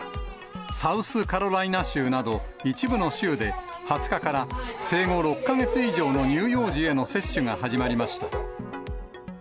サウスカロライナ州など、一部の州で、２０日から、生後６か月以上の乳幼児への接種が始まりました。